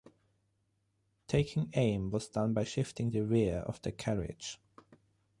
Taking aim was done by shifting the rear of the carriage.